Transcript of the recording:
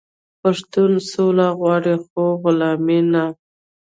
پښتون سوله غواړي خو غلامي نه.